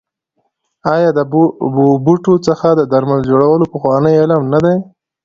آیا د بوټو څخه د درملو جوړول پخوانی علم نه دی؟